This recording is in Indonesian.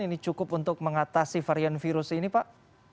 ini cukup untuk mengatasi varian virus ini pak